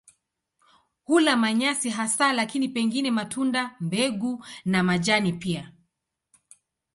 Hula manyasi hasa lakini pengine matunda, mbegu na majani pia.